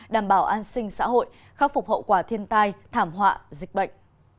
đảm bảo an sinh xã hội khắc phục hậu quả thiên tai thảm họa dịch bệnh